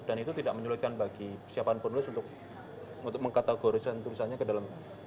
dan itu tidak menyulitkan bagi siapaan penulis untuk mengkategorisasi tulisannya ke dalam kategori